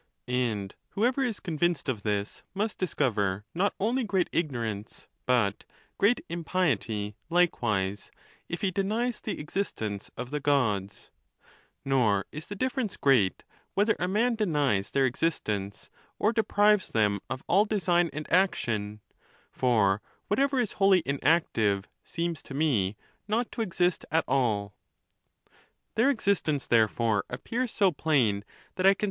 And whoever is convinced of this must discover not only great ignorance, but great im piety likewise, if he denies the existence of the Gods ; nor is the difBereuce great whether a man denies their exist ence, or deprives them of all design and action ; for what ever is wholly inactive seems to me not to exist at all. Their existence, therefore, appears so plain that I can